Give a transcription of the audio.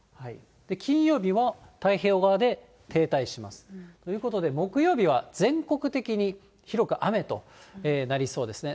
金曜日も太平洋側で停滞します。ということで、木曜日は全国的に広く雨となりそうですね。